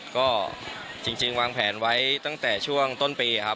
ก็จริงวางแผนไว้ตั้งแต่ช่วงต้นปีครับ